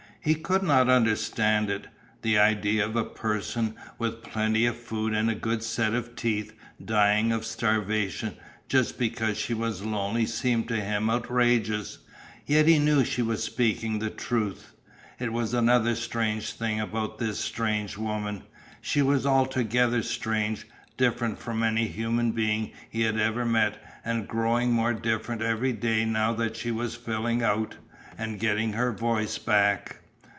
He could not understand it. The idea of a person with plenty of food and a good set of teeth dying of starvation just because she was lonely seemed to him outrageous, yet he knew she was speaking the truth. It was another strange thing about this strange woman. She was altogether strange, different from any human being he had ever met and growing more different every day now that she was "filling out," and getting her voice back.